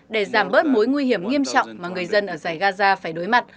để giảm bớt mối nguy hiểm nghiêm trọng mà người dân ở giải gaza phải đối mặt